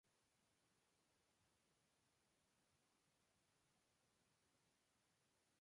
Este principio no solo da el olor y sabor al caldo.